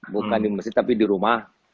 bukan di masjid tapi di rumah